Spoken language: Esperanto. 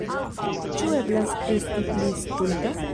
Ĉu eblas esti pli stulta?